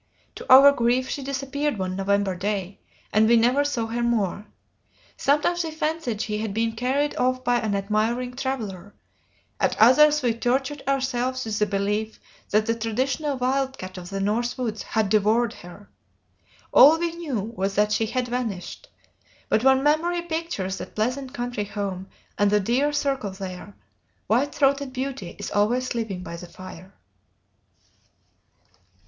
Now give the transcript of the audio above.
To our grief, she disappeared one November day, and we never saw her more. Sometimes we fancied she had been carried off by an admiring traveller: at others we tortured ourselves with the belief that the traditional wildcat of the north woods had devoured her. All we knew was that she had vanished; but when memory pictures that pleasant country home and the dear circle there, white throated Beauty is always sleeping by the fire."